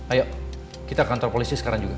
ayo kita kantor polisi sekarang juga